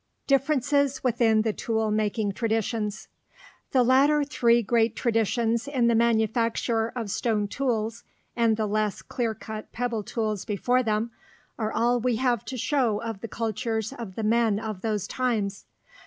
DIFFERENCES WITHIN THE TOOL MAKING TRADITIONS The latter three great traditions in the manufacture of stone tools and the less clear cut pebble tools before them are all we have to show of the cultures of the men of those times.